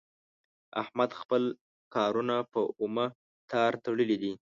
احمد خپل کارونه په اومه تار تړلي دي.